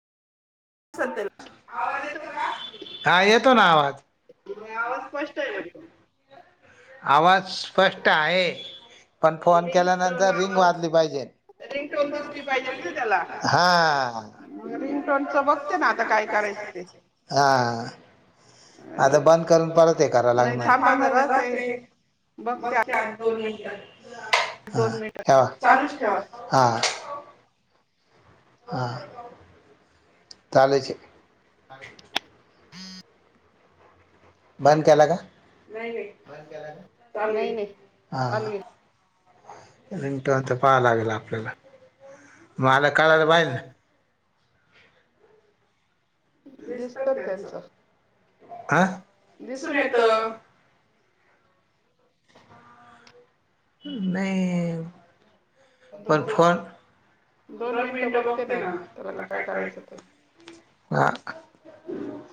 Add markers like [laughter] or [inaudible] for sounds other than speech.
आवाज येतो का? आवाज स्पष्ट आहे म्हज आवाज स्पष्ट आहे. रिंगटोन आवाज रिंगटोन दिसली पाहिजे ना त्याला मग रिंगटोनच बघते ना आता काय करायचं ते. आता बंद करून परत हे कराय लागणार. [inaudible] हा ठेवा हा. हा. चालूच हे [inaudible] बंद केला का? हां. रिंगटोन च पाहाव लागेल ना आपल्याला. मला कळालं पाहिजेल ना [inaudible] नाही. पण फोन. दोन मिनिट बघते ना त्याला काय करायच ते.